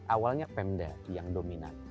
awalnya pemda yang dominan